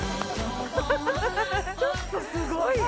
ちょっとすごいね。